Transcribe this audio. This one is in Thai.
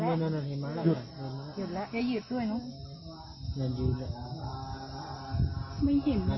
อยู่แล้วยืดแล้วอย่ายืดด้วย